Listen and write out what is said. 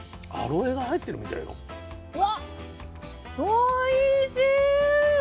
おいしい！